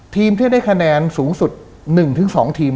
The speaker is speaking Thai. ทีมที่ได้คะแนนสูงสุด๑๒ทีม